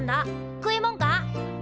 食いもんか？